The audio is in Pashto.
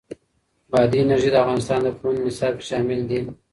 بادي انرژي د افغانستان د پوهنې نصاب کې شامل دي.